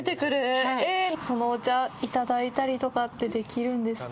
そのお茶、いただいたりとかってできるんですか？